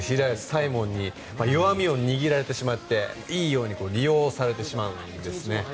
才門に弱みを握られてしまっていいように利用されてしまうんです。